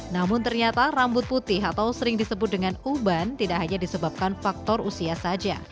namun ternyata rambut putih atau sering disebut dengan uban tidak hanya disebabkan faktor usia saja